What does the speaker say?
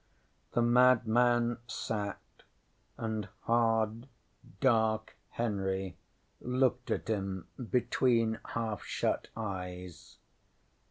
ŌĆØ ŌĆśThe madman sat, and hard, dark Henry looked at him between half shut eyes.